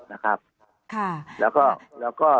นะครับแล้วก็